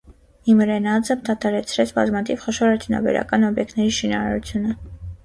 Իմրե նաձը դադարեցրեց բազմաթիվ խոշոր արդյունաբերական օբյեկտների շինարարությունը։